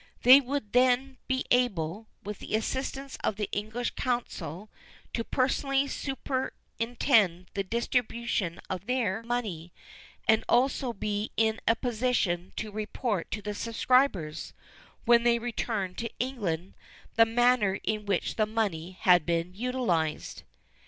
They would then be able, with the assistance of the English Consul, to personally superintend the distribution of their money, and also be in a position to report to the subscribers, when they returned to England, the manner in which the money had been utilized.